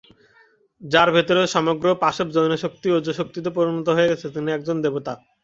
যাঁর ভেতরে সমগ্র পাশব যৌনশক্তি ওজঃশক্তিতে পরিণত হয়ে গেছে, তিনি একজন দেবতা।